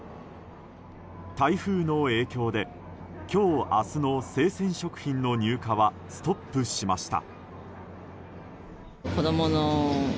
台風の影響で今日、明日の生鮮食品の入荷はストップしました。